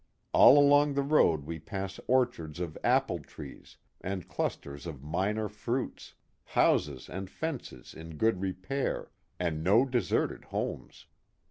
All along the road we pass orchards of apple trees and clusters of minor fruits, houses and fences in good repair, and no deserted homes.